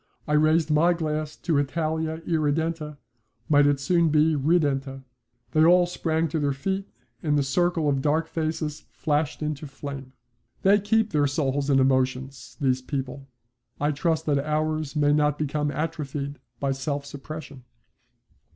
I raised my glass to Italia irredenta might it soon be redenta. They all sprang to their feet and the circle of dark faces flashed into flame. They keep their souls and emotions, these people. I trust that ours may not become atrophied by self suppression.